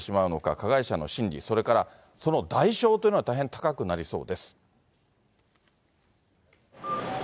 加害者の心理、それからその代償というのが大変高くなりそうです。